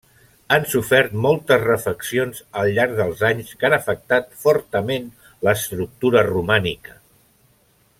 Ha sofert moltes refeccions al llarg dels anys que han afectat fortament l'estructura romànica.